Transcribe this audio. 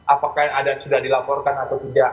apakah yang ada sudah dilaporkan atau tidak